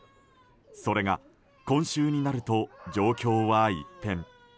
それが今週になると状況は一変。